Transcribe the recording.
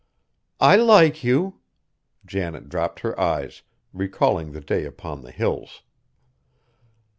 "I like you." Janet dropped her eyes, recalling the day upon the Hills.